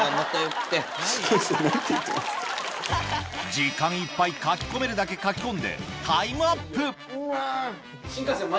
時間いっぱいかき込めるだけかき込んでタイムアップ